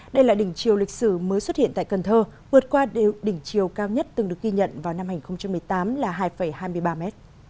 đây là đỉnh chiều lịch sử mới xuất hiện tại cần thơ vượt qua đỉnh chiều cao nhất từng được ghi nhận vào năm hai nghìn một mươi tám là hai hai mươi ba m